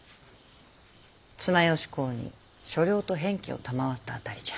綱吉公に所領と偏諱を賜った辺りじゃ。